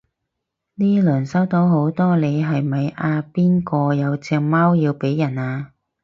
呢輪收到好多你係咪阿邊個有隻貓要俾人啊？